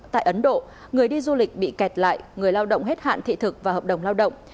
tại ấn độ người đi du lịch bị kẹt lại người lao động hết hạn thị thực và hợp đồng lao động